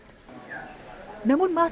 namun masih banyak yang diperiksa